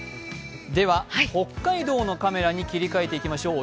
北海道のカメラに切り替えていきましょう。